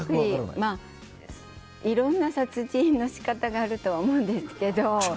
いろんな殺人の仕方があると思うんですけど。